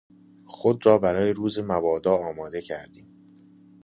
خود را برای روز مبادا آماده کردیم.